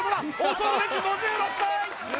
恐るべき５６歳！